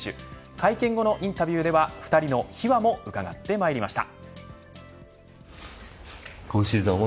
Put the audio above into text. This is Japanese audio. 会見後のインタビューでは２人の秘話もうかがってまいりました。